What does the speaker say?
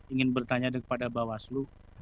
ingin bertanya kepada bawaslu